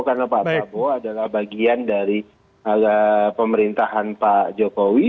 karena pak prabowo adalah bagian dari pemerintahan pak jokowi